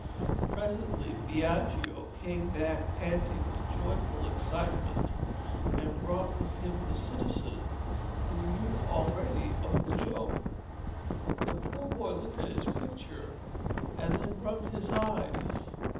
Presently Biagio came back panting with joyful excitement, and brought with him the citizen, who knew already of the joke. The poor boy looked at his picture and then rubbed his eyes.